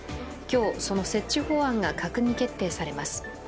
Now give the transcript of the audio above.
今日、その設置法案が閣議決定されます。